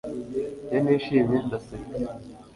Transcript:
iyo nishimye, ndaseka